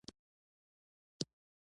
د خپل ځان او شاوخوا اطرافو ته به متوجه وي